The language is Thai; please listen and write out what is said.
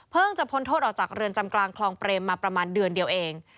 จะพ้นโทษออกจากเรือนจำกลางคลองเปรมมาประมาณเดือนเดียวเอง